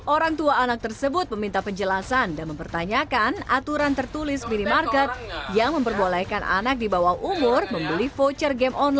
orang tua anak tersebut meminta penjelasan dan mempertanyakan aturan tertulis minimarket yang memperbolehkan anak di bawah umur membeli voucher game online